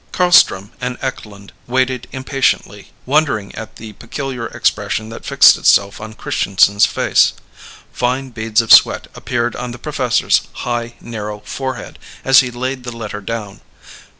Carlstrom and Eklund waited impatiently, wondering at the peculiar expression that fixed itself on Christianson's face. Fine beads of sweat appeared on the professor's high narrow forehead as he laid the letter down.